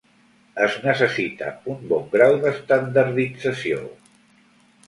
Es necessita un bon grau d'estandardització.